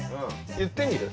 言ってみる？